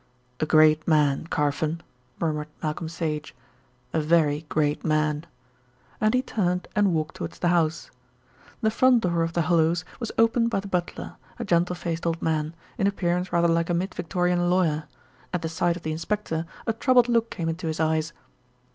"A great man, Carfon," murmured Malcolm Sage, "a very great man," and he turned and walked towards the house. The front door of "The Hollows" was opened by the butler, a gentle faced old man, in appearance rather like a mid Victorian lawyer. At the sight of the inspector, a troubled look came into his eyes.